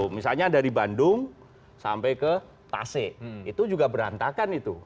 misalnya dari bandung sampai ke tasik itu juga berantakan itu